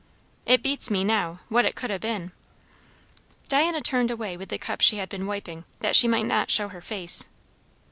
It beats me now, what it could ha' been." Diana turned away with the cups she had been wiping, that she might not show her face.